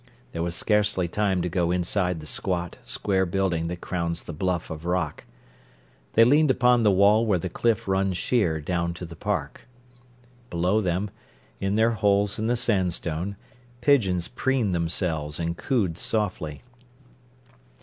There was scarcely time to go inside the squat, square building that crowns the bluff of rock. They leaned upon the wall where the cliff runs sheer down to the Park. Below them, in their holes in the sandstone, pigeons preened themselves and cooed softly.